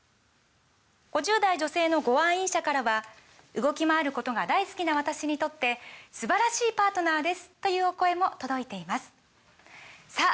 ５０代女性のご愛飲者からは「動きまわることが大好きな私にとって素晴らしいパートナーです！」というお声も届いていますさあ